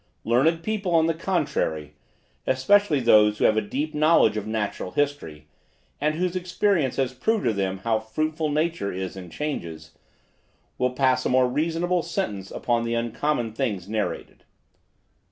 Learned people, on the contrary, especially those who have a deep knowledge of natural history, and whose experience has proved to them how fruitful nature is in changes, will pass a more reasonable sentence upon the uncommon things narrated.